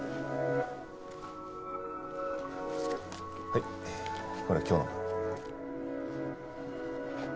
はいこれ今日の分。